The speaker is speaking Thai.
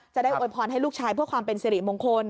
โวยพรให้ลูกชายเพื่อความเป็นสิริมงคล